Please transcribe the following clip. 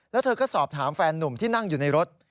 แล้วเธอก็สอบถามแฟนนุ่มที่นั่งอยู่ในรถ